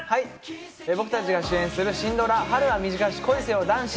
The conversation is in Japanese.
僕たちが主演する新ドラ『春は短し恋せよ男子。』。